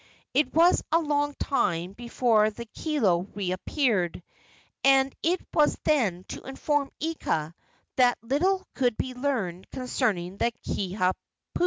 It was a long time before the kilo reappeared, and it was then to inform Ika that little could be learned concerning the Kiha pu.